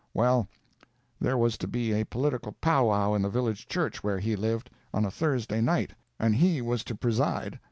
Well, there was to be a political pow wow in the village church where he lived, on a Thursday night, and he was to preside.